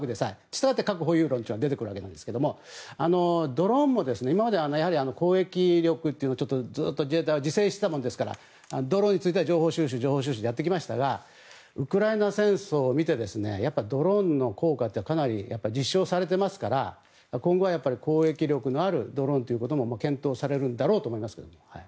なので核保有国が出てくるわけですがドローンも今まで攻撃力というのをずっと自衛隊は自制していたものですからドローンについては情報収集でやってきましたがウクライナ戦争を見てドローンの効果ってかなり実証されていますから今後は攻撃力のあるドローンということも検討されるんだろうと思いますけども。